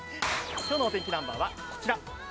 今日のお天気ナンバーはこちら。